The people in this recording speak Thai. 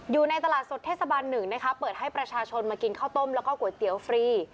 อยู่ในตลาดสดเทศบัน๑นะคะเปิดให้ประชาชนมากินข้าวต้มแล้วก็ก๋วยเตี๋ยวฟรี